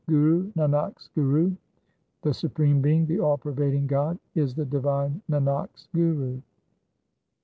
2 Guru Nanak's Guru :— The Supreme Being, the All pervading God is the divine Nanak's Guru.